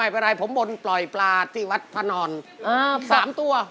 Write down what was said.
ผมต้องปล่อยปลาที่วัดพนร๓ตัว